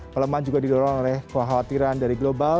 pelemahan juga didorong oleh kekhawatiran dari global